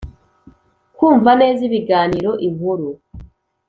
kumva neza ibiganiro, inkuru,